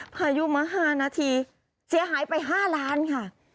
พายุมา๕นาทีเสียหายไป๕ล้านค่ะ